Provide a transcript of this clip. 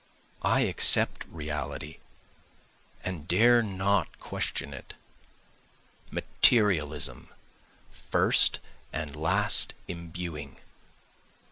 I accept Reality and dare not question it, Materialism first and last imbuing.